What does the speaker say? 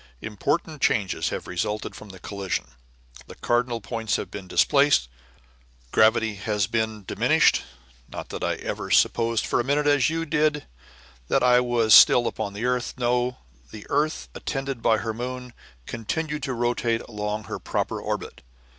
Important changes have resulted from the collision; the cardinal points have been displaced; gravity has been diminished: not that I ever supposed for a minute, as you did, that I was still upon the earth. No! the earth, attended by her moon, continued to rotate along her proper orbit.